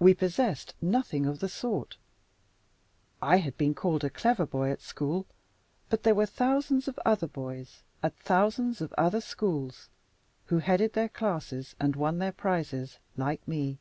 We possessed nothing of the sort. I had been called a clever boy at school; but there were thousands of other boys, at thousands of other schools, who headed their classes and won their prizes, like me.